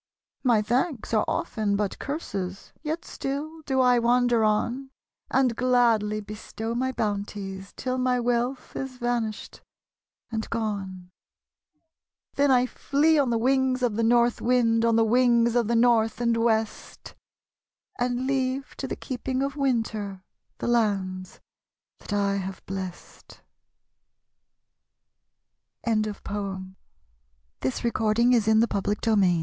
My thanks are often but curses, Yet still do I wander on; And gladly bestow my bounties Till my wealth is vanished and gone; Then I flee on the wings of the North wind, On the wings of the North and West; And leave to the keeping of Winter The lands that I have blest. ' SOWN. The fruit laden wi